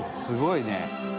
すごいね。